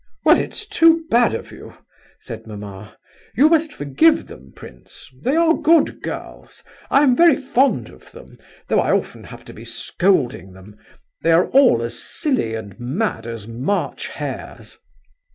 "Well, it's too bad of you," said mamma. "You must forgive them, prince; they are good girls. I am very fond of them, though I often have to be scolding them; they are all as silly and mad as march hares."